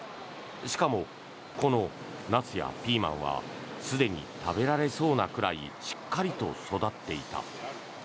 しかもこのナスやピーマンはすでに食べられそうなくらいしっかりと育っていた。